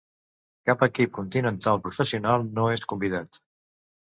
Cap equip continental professional no és convidat.